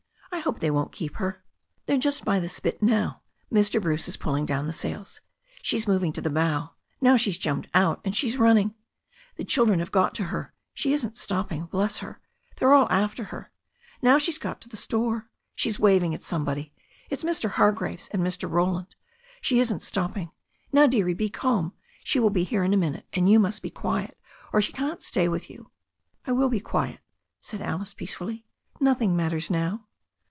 I hope they won't keep her." "They're just by the spit now. Mr. Bruce is pulling down the sails. She's moving to the bow, now she's jumped out, and she's running. The children have got to her — she isn't stopping, bless her! Thejr're all after her. Now she's got to the store; she's waving at somebody — it's Mr, Hargraves and Mr. Roland. She isn't stopping. Now, dearie, be calm, she will be here in a minute, and you must be quiet, or she can't stay with you." "I will be quiet," said Alice peacefully. "Nothing mat ters now."